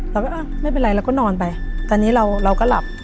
เราก็อ้าวไม่เป็นไรเราก็นอนไปตอนนี้เราก็หลับ